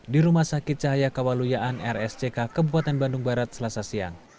di rumah sakit cahaya kawaluyaan rsck kebupaten bandung barat selasa siang